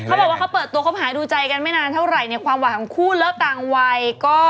เขาบอกว่าเขาเปิดตัวคบหาดูใจกันไม่นานเท่าไหร่เนี่ยความหวานของคู่เลิกต่างวัยก็